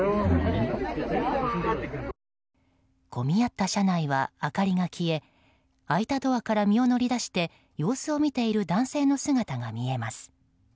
混み合った車内は明かりが消え開いたドアから身を乗り出して様子を見ている男性の姿が見えます。